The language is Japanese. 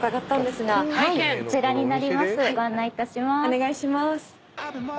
お願いします。